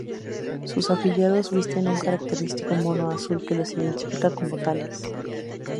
Sus afiliados visten un característico mono azul, que los identifica como tales.